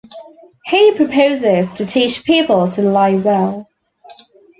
He proposes to teach people to lie well.